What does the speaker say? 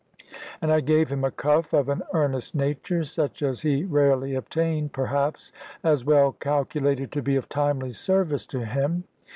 And I gave him a cuff of an earnest nature, such as he rarely obtained, perhaps, and well calculated to be of timely service to him.